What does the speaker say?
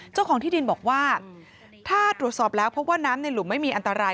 เจ้าของที่ดินบอกว่าถ้าตรวจสอบแล้วพบว่าน้ำในหลุมไม่มีอันตราย